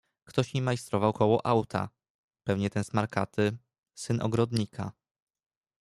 "Ktoś mi majstrował koło auta; pewnie ten smarkaty, syn ogrodnika."